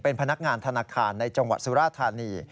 เป็นพนักงานธนาคารในจังหวัดสุราธานี